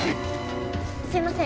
すいません。